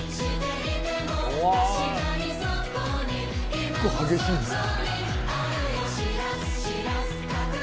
結構、激しいですね。